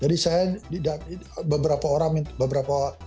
jadi saya di beberapa orang beberapa pendukung